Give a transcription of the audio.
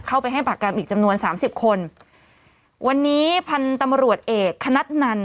ให้ปากกรรมอีกจำนวนสามสิบคนวันนี้พันธุ์ตำรวจเอกคณัฐนัน